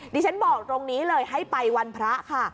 ดิฉันบอกตรงนี้เลยให้ไปวันพระค่ะ